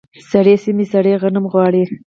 سړې سیمې سړې غنم غواړي.